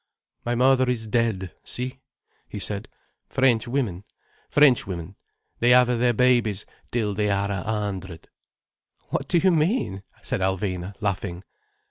"My mother is dead, see!" he said. "Frenchwomen—Frenchwomen—they have their babies till they are a hundred—" "What do you mean?" said Alvina, laughing.